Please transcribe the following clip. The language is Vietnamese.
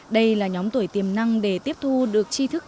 đây là nhóm tuổi tiềm năng để tiếp thu được chi thức